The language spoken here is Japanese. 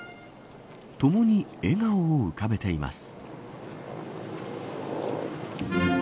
ともに笑顔を浮かべています。